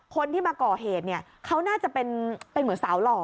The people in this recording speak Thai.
คนที่มาก่อเหตุเนี่ยเขาน่าจะเป็นเหมือนสาวหล่อ